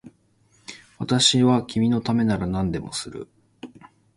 私は君のためなら何でもする